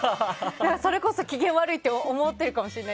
それこそ機嫌悪いと思ってるかもしれない。